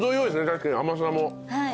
確かに甘さも。